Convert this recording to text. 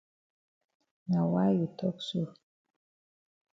Na why you tok so?